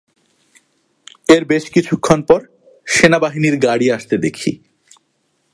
এর বেশ কিছুক্ষণ পর সেনাবাহিনীর গাড়ি আসতে দেখি।